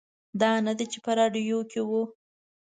دا نه دی چې په راډیو کې و.